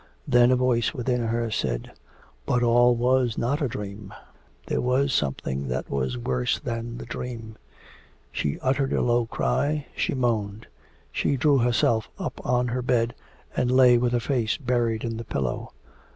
Then a voice within her said, 'But all was not a dream there was something that was worse than the dream.' She uttered a low cry she moaned. She drew herself up on her bed, and lay with her face buried in the pillow.